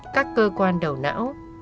các cơ quan đầu não